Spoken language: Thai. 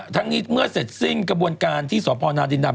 ทั้งนี้เมื่อเสร็จสิ้นกระบวนการที่สพนาดินดำ